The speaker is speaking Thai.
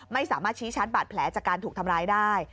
ไม่สามารถชี้ชัดบาดแผลจากการถูกทำร้ายได้